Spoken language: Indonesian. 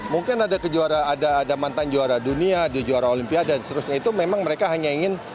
mungkin ada mantan juara dunia di juara olimpia dan seterusnya itu memang mereka hanya ingin